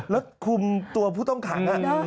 รถคุมตัวผู้ต้องขัง